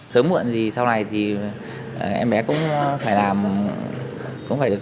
sớm muộn thì sau này thì em bé cũng phải làm